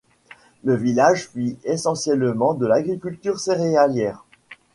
Le village vit essentiellement de l'agriculture céréalière.